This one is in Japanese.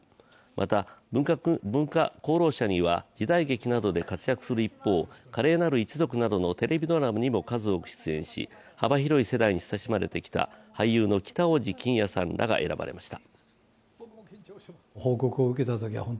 また文化功労者には時代劇などで活躍する一方、「華麗なる一族」などのテレビドラマにも数多く出演し幅広い世代に親しまれてきた俳優の北大路欣也さんらが選ばれました。